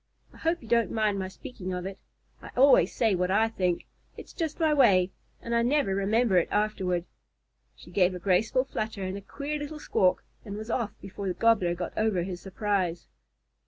I hope you don't mind my speaking of it. I always say what I think. It's just my way, and I never remember it afterward." She gave a graceful flutter and a queer little squawk, and was off before the Gobbler got over his surprise.